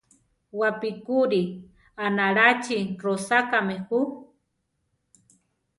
Wapíkuri aʼnaláchi rosákame jú.